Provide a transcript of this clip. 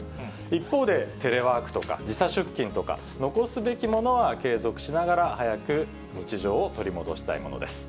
一方で、テレワークとか、時差出勤とか、残すべきものは継続しながら、早く日常を取り戻したいものです。